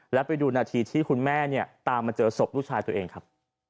แล้วไปดูนาทีที่คุณแม่เนี่ยตามมาเจอศพลูกชายตัวเองครับ